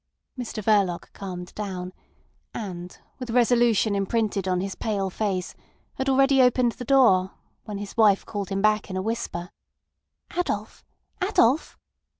Mr Verloc calmed down, and, with resolution imprinted on his pale face, had already opened the door, when his wife called him back in a whisper: "Adolf! Adolf!"